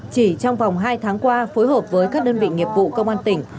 chỉ trong vòng hai tháng qua phối hợp với các đơn vị nghiệp vụ công an tỉnh